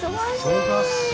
忙しい！